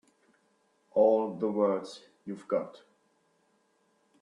All the words you've got.